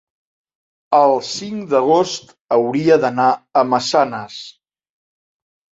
el cinc d'agost hauria d'anar a Massanes.